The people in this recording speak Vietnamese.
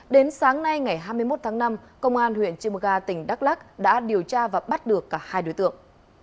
đến sáng nay ngày hai mươi một tháng năm công an huyện chimga tỉnh đắk lắc đã điều tra và bắt được cả hai đối tượng